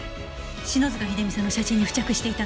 篠塚秀実さんの写真に付着していたの。